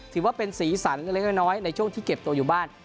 ถือว่าเป็นสีสันเล็กน้อยในช่วงที่เก็บตัวอยู่บ้าน